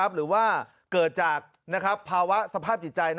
หรือว่าเกิดจากภาวะสภาพจิตใจ